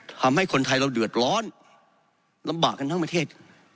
ทำให้คนไทยเราเดือดร้อนลำบากกันทั้งประเทศ